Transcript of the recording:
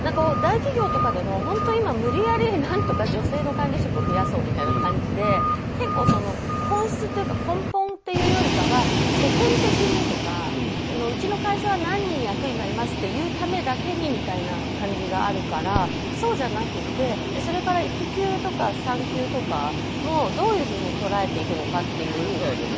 大企業とかでも無理やり女性の管理職を増やそうみたいな感じで結構本質というか根本というよりかは世間的にとかうちの会社は何人役人がいますって言うためだけにという感じがあるから、そうじゃなくてそれから育休とか産休とかもどういうふうに捉えていくか。